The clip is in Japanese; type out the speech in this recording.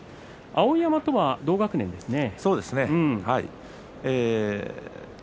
碧山とは同学年ですね。